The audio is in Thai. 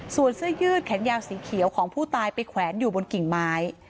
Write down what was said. ส่วนเสื้อยืดแขนยาวสีเขียวของผู้ตายไปแขวนอยู่บนกิ่งไม้